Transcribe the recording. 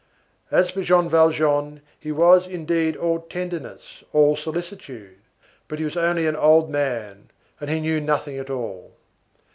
As for Jean Valjean, he was, indeed, all tenderness, all solicitude; but he was only an old man and he knew nothing at all.